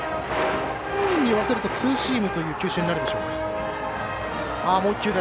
本人に言わせるとツーシームというような球種になるんでしょうか。